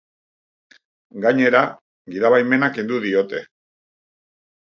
Gainera, gidabaimena kendu diote.